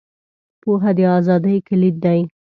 • پوهه، د ازادۍ کلید دی.